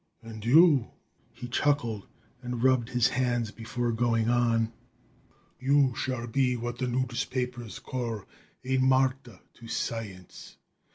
And you " He chuckled and rubbed his hands before going on. "You shall be what the newspapers call a martyr to science.